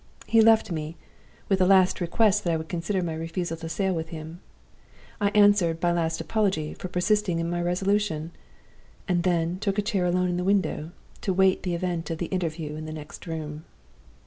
He left me, with a last request that I would consider my refusal to sail with him. I answered by a last apology for persisting in my resolution, and then took a chair alone at the window to wait the event of the interview in the next room.